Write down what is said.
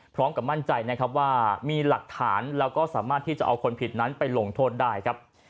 พร้อมกับมั่นใจนะครับว่ามีหลักฐานแล้วก็สามารถที่จะเอาคนผิดนั้นไปลงโทษได้ครับ